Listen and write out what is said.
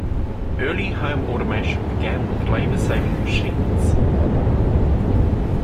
Early home automation began with labor-saving machines.